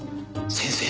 先生